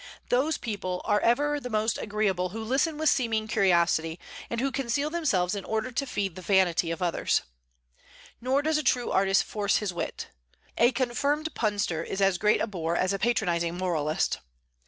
Those people are ever the most agreeable who listen with seeming curiosity, and who conceal themselves in order to feed the vanity of others. Nor does a true artist force his wit. "A confirmed punster is as great a bore as a patronizing moralist."